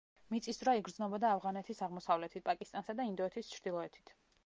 მიწისძვრა იგრძნობოდა ავღანეთის აღმოსავლეთით, პაკისტანსა და ინდოეთის ჩრდილოეთით.